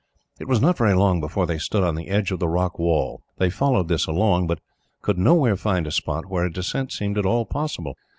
It was not very long before they stood on the edge of the rock wall. They followed this along, but could nowhere find a spot where a descent seemed at all possible.